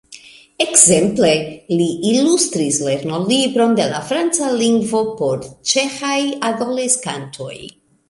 Ekzemple li ilustris lernolibron de la franca lingvo por ĉeĥaj adoleskantoj.